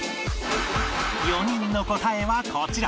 ４人の答えはこちら